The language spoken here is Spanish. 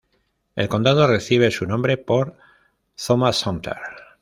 El condado recibe su nombre por Thomas Sumter.